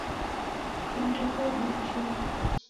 Vindo vabia chumbi.